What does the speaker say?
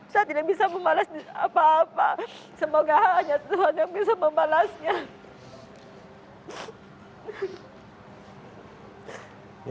saya tidak bisa membalas apa apa semoga hanya tuhan yang bisa membalasnya